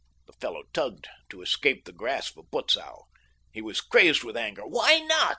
The fellow tugged to escape the grasp of Butzow. He was crazed with anger. "Why not?"